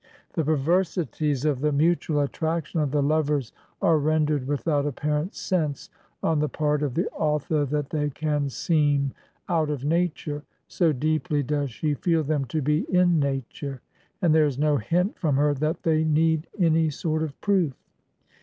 The perversities of the mutual attraction of the lovers are rendered without apparent sense on ^the part of the author that they can seem out of nature, so deeply does she feel them to be in nature, and there is no hint from her that they need any sort of proof.